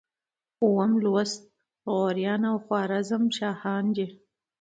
اووم لوست غوریان او خوارزم شاهان دي.